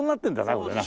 これな。